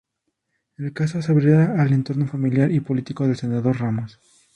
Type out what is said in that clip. El caso se abrirá al entorno familiar y político del senador Ramos.